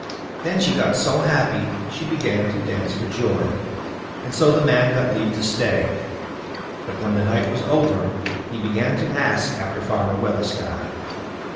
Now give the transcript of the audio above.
Then she got so happy she began to dance for joy, and so the man got leave to stay. But when the night was over, he began to ask after Farmer Weathersky.